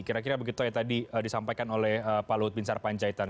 kira kira begitu ya tadi disampaikan oleh pak luhut bin sarpanjaitan